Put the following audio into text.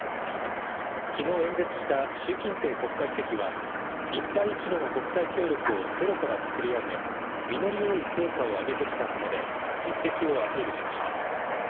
きのう演説した習近平国家主席は、一帯一路の国際協力をゼロから作り上げ、実り多い成果を上げてきたと述べ、実績をアピールしました。